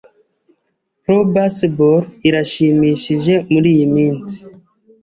Pro baseball irashimishije muriyi minsi.